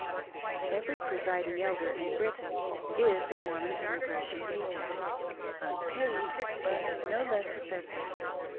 Every presiding Elder in Britain is a Mormon Emigration Agent:— unpaid, but no less effective.